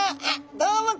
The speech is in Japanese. どうも！